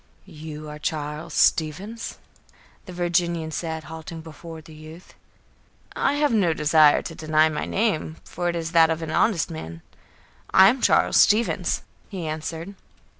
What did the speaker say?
"You are Charles Stevens?" the Virginian said, halting before the youth. "I have no desire to deny my name, for it is that of an honest man; I am Charles Stevens," he answered.